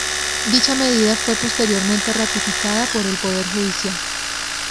Dicha medida fue posteriormente ratificada por el Poder Judicial.